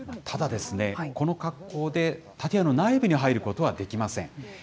ただ、この格好で、建屋の内部に入ることはできません。